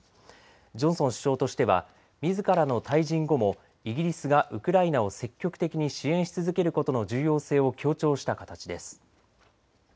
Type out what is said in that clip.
ジョンソン首相としてはみずからの退陣後もイギリスがウクライナを積極的に支援し続けることの重要性を強調した形です。